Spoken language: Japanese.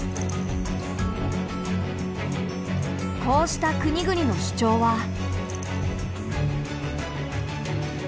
こうした国々の主張は。